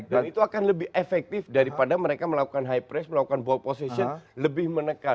dan itu akan lebih efektif daripada mereka melakukan high press melakukan ball position lebih menekan